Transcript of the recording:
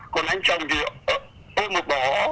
còn anh chồng thì ôi một bó